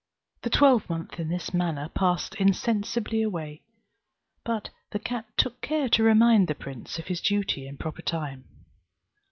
The twelvemonth in this manner again passed insensibly away; but the cat took care to remind the prince of his duty in proper time.